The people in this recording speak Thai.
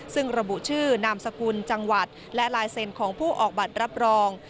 ซึ่งระบุชื่อนามสกุลจังหวัดและลายเซ็นต์ของผู้ออกบัตรรับรอง